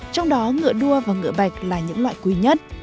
trong đó ngựa đua và ngựa bạch là những loại quý nhất